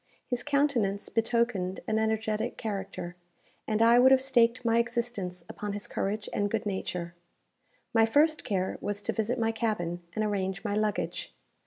His countenance betokened an energetic character, and I would have staked my existence upon his courage and good nature. My first care was to visit my cabin, and arrange my luggage.